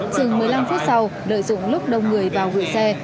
chừng một mươi năm phút sau đợi dũng lúc đông người vào gửi xe